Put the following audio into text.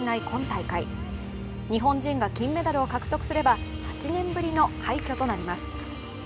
今大会日本人が金メダルを獲得すれば８年ぶりの快挙となります。